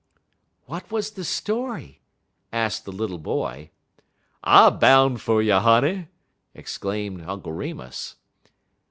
"What was the story?" asked the little boy. "I boun' fer you, honey!" exclaimed Uncle Remus.